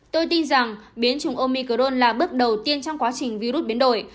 tôi tin rằng biến chủng omicrone là bước đầu tiên trong quá trình virus biến đổi